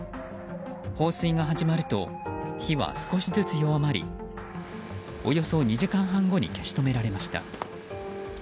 放水が始まると火は少しずつ弱まりおよそ２時間半後に消し止められました。